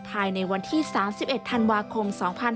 ภายในวันที่๓๑ธันวาคม๒๕๖๒